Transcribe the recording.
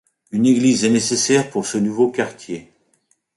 Une église est nécessaire pour ce nouveau quartier.